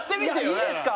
いやいいですか？